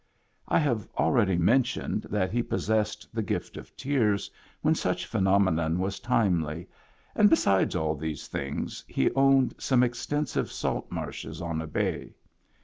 I have already mentioned that he pos sessed the gift of tears, when such phenomenon was timely, and besides all these things, he owned some extensive salt marshes on a bay.